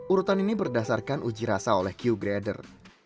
urutan ini berdasarkan uji rasa oleh q grader